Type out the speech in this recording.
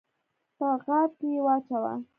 په غاب کي یې واچوه !